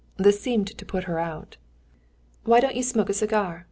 This seemed to put her out. "Why don't you smoke a cigar?